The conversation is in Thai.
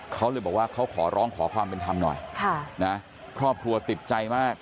เขาเลยบอกว่าเขาขอร้องขอความเป็นธรรมหน่อยค่ะนะครอบครัวติดใจมาก